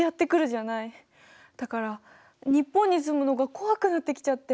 だから日本に住むのが怖くなってきちゃって。